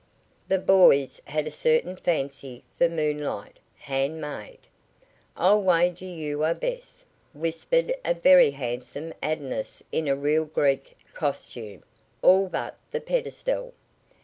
The boys had a certain fancy for moonlight hand made. "I'll wager you are Bess," whispered a very handsome Adonis in a real Greek costume all but the pedestal.